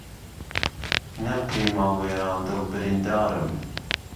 نەم کەی ماڵ وێران دڵ بریندارم